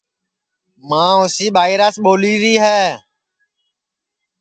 ماں اُسی ٻائیراس ٻولیری ہے